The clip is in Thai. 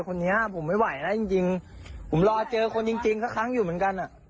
คนนี้ผมไม่ไหวแล้วจริงจริงผมรอเจอคนจริงจริงสักครั้งอยู่เหมือนกันอ่ะ